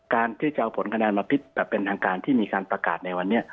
การที่จะเอาผลคะแนนมาพิษแบบเป็นทางการที่มีการประกาศในวันนี้